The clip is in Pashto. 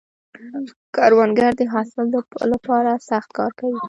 کروندګر د حاصل له پاره سخت کار کوي